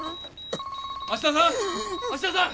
芦田さん！